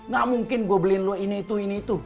gak mungkin gue beliin lo ini itu ini itu